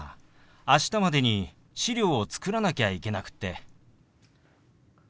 明日までに資料を作らなきゃいけなくって。